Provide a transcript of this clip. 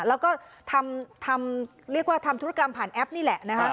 แล้วก็ทำเรียกว่าทำธุรกรรมผ่านแอปนี่แหละนะคะ